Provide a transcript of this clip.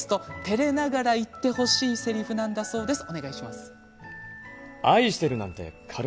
てれながら言ってほしいせりふだそうです。